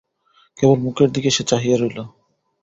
কেবল মুখের দিকে সে চাহিয়া রহিল।